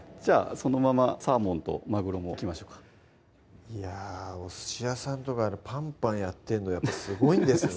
そのままサーモンとまぐろもいきましょうかいやお寿司屋さんとかパンパンやってんのすごいんですね